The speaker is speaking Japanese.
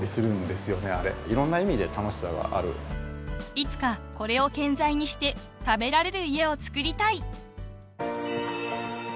［いつかこれを建材にして食べられる家を造りたい］